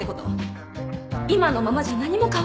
今のままじゃ何も変わらないよ